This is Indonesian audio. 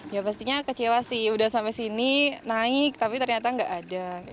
ya pastinya kecewa sih udah sampai sini naik tapi ternyata nggak ada